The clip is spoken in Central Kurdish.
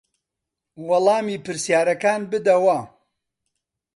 وەڵامی پرسیارەکان بدەوە.